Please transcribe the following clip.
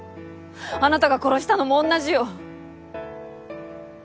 あなたが殺したのも同じよ。